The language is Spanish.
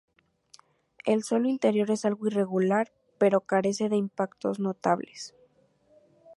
El suelo interior es algo irregular, pero carece de impactos notables.